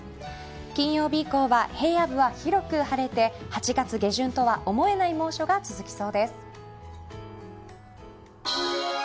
金曜日以降は平野部は広く晴れて８月下旬とは思えない猛暑が続きそうです。